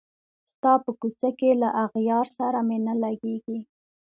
ستا په کوڅه کي له اغیار سره مي نه لګیږي